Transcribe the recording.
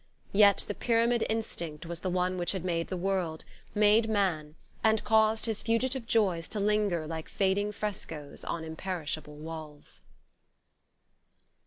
Yet the Pyramid instinct was the one which had made the world, made man, and caused his fugitive joys to linger like fading frescoes on imperishable walls....